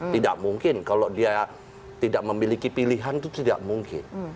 tidak mungkin kalau dia tidak memiliki pilihan itu tidak mungkin